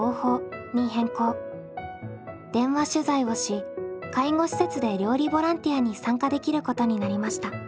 電話取材をし介護施設で料理ボランティアに参加できることになりました。